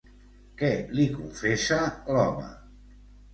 Què li confessa l'home?